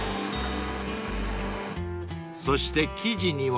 ［そして生地には］